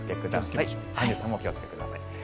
アンジュさんもお気をつけください。